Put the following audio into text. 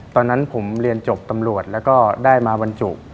ตอนนั้นผมเรียนจบตำรวจแล้วก็ได้มาบรรจุ